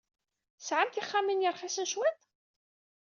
Tesɛam tixxamin ay rxisen cwiṭ?